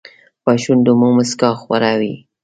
په شونډو مو موسکا خوره وي .